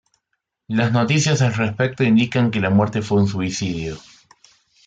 Las noticias al respecto indican que la muerte fue un suicidio.